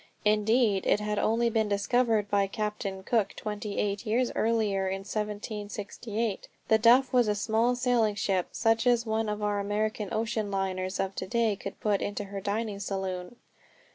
Indeed it had only been discovered by Captain Cook twenty eight years earlier in 1768. The Duff was a small sailing ship such as one of our American ocean liners of to day could put into her dining saloon.